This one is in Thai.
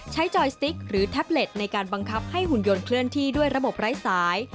จอยสติ๊กหรือแท็บเล็ตในการบังคับให้หุ่นยนเคลื่อนที่ด้วยระบบไร้สาย